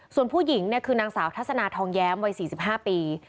ส่วนผู้หญิงเนี่ยคือนางสาวทัศนาทองแย้มวัยสี่สิบห้าปี